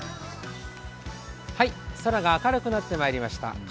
空が明るくなってまいりました。